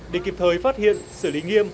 để kịp thời phát hiện xử lý nghiêm